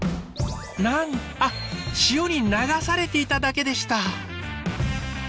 なんあ潮に流されていただけでした。